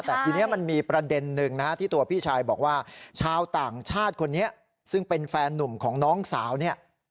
แต่ทีนี้มันมีประเด็นหนึ่งนะฮะที่ตัวพี่ชายบอกว่าชาวต่างชาติคนนี้ซึ่งเป็นแฟนหนุ่มของน้องสาวเนี่ย